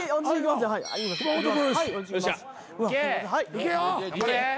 いけよ。